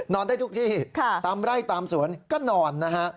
ได้ทุกที่ตามไร่ตามสวนก็นอนนะฮะ